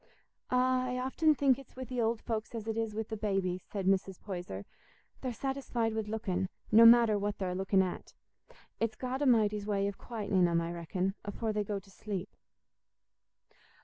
"Ah, I often think it's wi' th' old folks as it is wi' the babbies," said Mrs. Poyser; "they're satisfied wi' looking, no matter what they're looking at. It's God A'mighty's way o' quietening 'em, I reckon, afore they go to sleep."